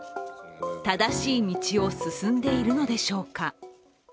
正しい道を進んでいるのでしょうか。